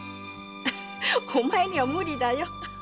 お前には無理だよ！